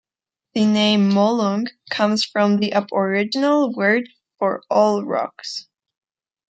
The name Molong comes from the aboriginal word for 'all rocks'.